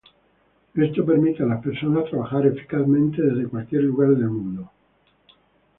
Esto permite a las personas trabajar eficazmente desde cualquier lugar del mundo.